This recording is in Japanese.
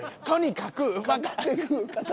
とにかく。